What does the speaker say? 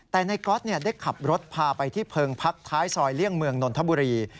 แต่ในก๊อตได้ขับรถพาไปที่เพิงพักท้ายซอยเลี่ยงเมืองนนทบุรี